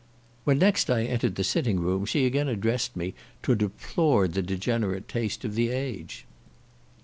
When next I entered the sitting room she again addressed me, to deplore the degenerate taste of the age.